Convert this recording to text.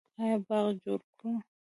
آیا باغ جوړ کړو؟